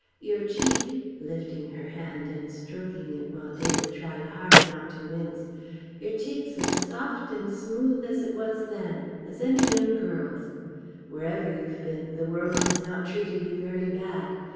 Your cheek " (lifting her hand and stroking it, while David tried hard not to wince) "Your cheek's as soft and smooth as it was then, as any young girl's. Wherever you've been, the world has not treated you very bad.